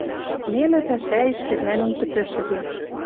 Нелӹ пӓшӓэш церлӓнен пӹтӹшӹвлӓ